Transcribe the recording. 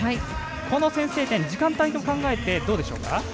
この先制点、時間帯など考えてどうでしょうか？